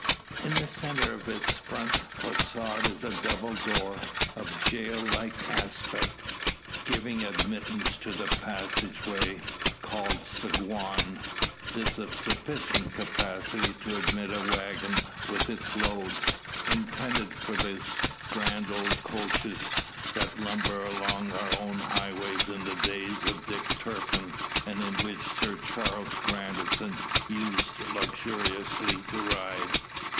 In the centre of its front facade is a double door, of gaol like aspect, giving admittance to the passage way, called saguan; this of sufficient capacity to admit a waggon with its load, intended for those grand old coaches that lumbered along our own highways in the days of Dick Turpin, and in which Sir Charles Grandison used luxuriously to ride.